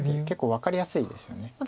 結構分かりやすいですよね。